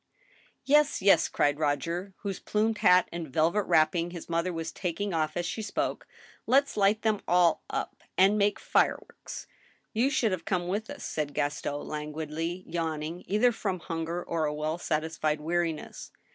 " Yes — yes," cried Roger, whose plumed hat and velvet wrapping his mother was taking off as she spoke. " Let's light them aU up and make fire works." " You should have come with us," said Gaston, languidly, yawn ing, either from hunger or a well satisfied weariness.